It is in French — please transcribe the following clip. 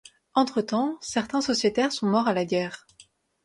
Entre-temps, certains sociétaires sont morts à la guerre.